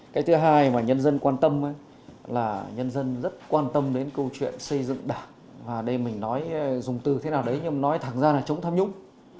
cái thứ hai mà nhân dân quan tâm là nhân dân rất quan tâm đến câu chuyện xây dựng đảng và đây mình nói dùng từ thế nào đấy nhưng nói thẳng ra là chống tham nhũng